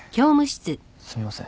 すみません。